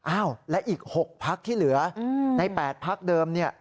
อ้าวและอีก๖พักที่เหลือใน๘พักเดิมเนี่ย